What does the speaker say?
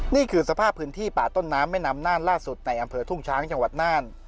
นี่คือสภาพพื้นที่ป่าต้นน้ำแม่น้ำน่านล่าสุดในอำเภอทุ่งช้างจังหวัดน่าน